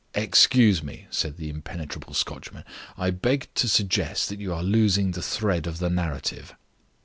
"Excuse me," said the impenetrable Scotchman. "I beg to suggest that you are losing the thread of the narrative."